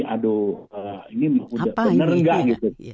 aduh ini bener gak gitu